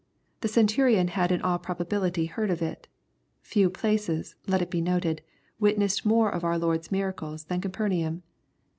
The Centurion had in all probability heard of it. Few places, let it be noted, witnessed more of our Lord's miracles than Capernaum.